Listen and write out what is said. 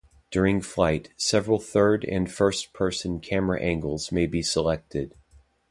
During flight, several third- and first-person camera angles may be selected.